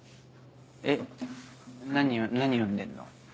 えっ何読んでんの？